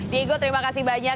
diego terima kasih banyak